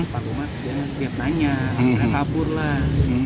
pak rumah dia tanya dia kabur lah